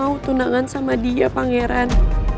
kalau lo mau tunangan sama dia pangeran